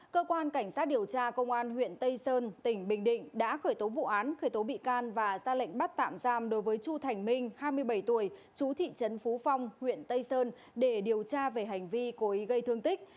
cơ quan cảnh sát điều tra công an huyện tây sơn tỉnh bình định đã khởi tố vụ án khởi tố bị can và ra lệnh bắt tạm giam đối với chu thành minh hai mươi bảy tuổi chú thị trấn phú phong huyện tây sơn để điều tra về hành vi cố ý gây thương tích